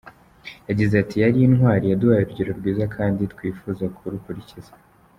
Yagize ati “Yari intwari, yaduhaye urugero rwiza kandi twifuza kurukurikiza.